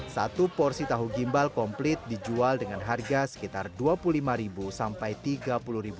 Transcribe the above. satu porsi tahu gimbal komplit dijual dengan harga sekitar rp dua puluh lima sampai rp tiga puluh